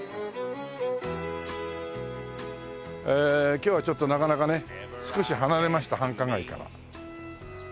今日はちょっとなかなかね少し離れました繁華街から。